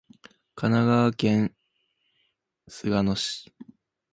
神奈川県秦野市